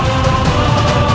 sampai aku mati